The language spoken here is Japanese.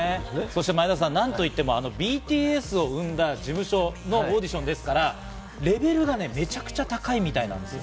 そして前田さん、あのＢＴＳを生んだ事務所のオーディションですから、レベルがめちゃくちゃ高いみたいです。